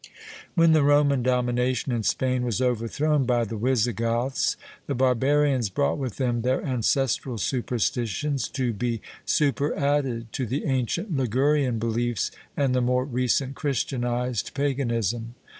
When the Roman domination in Spain was overthrown by the Wisigoths, the Barbarians brought with them their ancestral superstitions, to be superadded to the ancient Ligurian beliefs and the more recent Christianized paganism.